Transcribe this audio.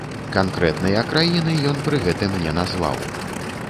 Канкрэтныя краіны ён пры гэтым не назваў.